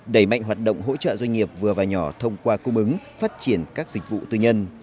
đẩy mạnh hoạt động hỗ trợ doanh nghiệp vừa và nhỏ thông qua cung ứng phát triển các dịch vụ tư nhân